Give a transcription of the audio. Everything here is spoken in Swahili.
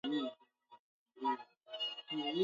Jana nilienda kule peke yangu